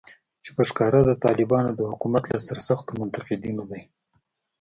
چې په ښکاره د طالبانو د حکومت له سرسختو منتقدینو دی